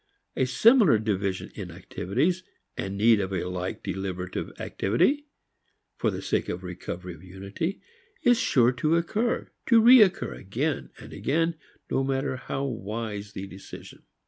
A similar devision in activities and need of a like deliberative activity for the sake of recovery of unity is sure to recur, to recur again and again, no matter how wise the decision.